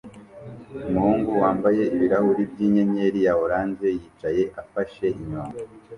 Umuhungu wambaye ibirahuri by'inyenyeri ya orange yicaye afashe inyundo